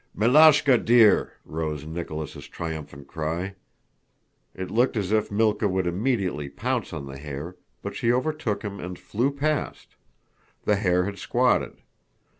"Miláshka, dear!" rose Nicholas' triumphant cry. It looked as if Mílka would immediately pounce on the hare, but she overtook him and flew past. The hare had squatted.